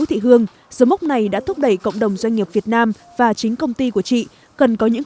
thì xác định cho mình con đường